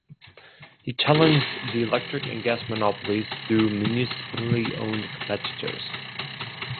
He challenged the electric and gas monopolies through municipally owned competitors.